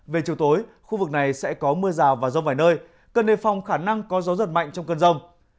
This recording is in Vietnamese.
về chiều tối khu vực này sẽ có mưa rào và rông vài nơi cần đề phòng khả năng có gió giật mạnh trong cơn rông